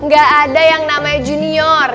gak ada yang namanya junior